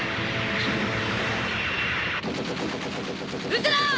撃つな！